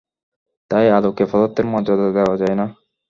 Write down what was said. তাই আলোকে পদার্থের মর্যাদা দেওয়া যায় না।